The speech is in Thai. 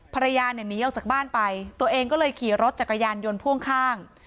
ภรรยาเนี่ยหนีออกจากบ้านไปตัวเองก็เลยขี่รถจักรยานยนต์พ่วงข้าง